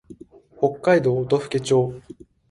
北海道音更町